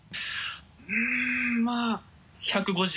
うんまぁ１５０？